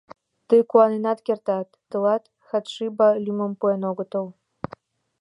— Тый куаненат кертат: тылат Хадшиба лӱмым пуэн огытыл.